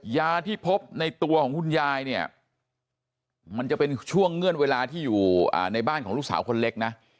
ยาที่พบในตัวของคุณยายเนี่ยมันจะเป็นช่วงเงื่อนเวลาที่อยู่ในบ้านของลูกสาวคนเล็กนะ